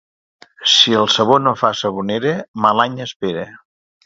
Si el sabó no fa sabonera, mal any espera.